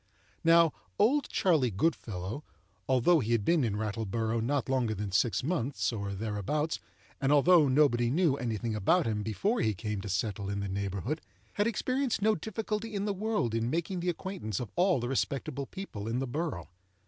Now, "Old Charley Goodfellow," although he had been in Rattleborough not longer than six months or thereabouts, and although nobody knew any thing about him before he came to settle in the neighborhood, had experienced no difficulty in the world in making the acquaintance of all the respectable people in the borough.